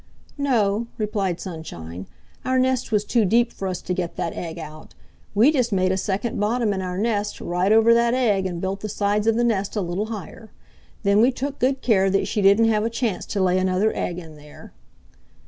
"No," replied Sunshine. "Our nest was too deep for us to get that egg out. We just made a second bottom in our nest right over that egg and built the sides of the nest a little higher. Then we took good care that she didn't have a chance to lay another egg in there."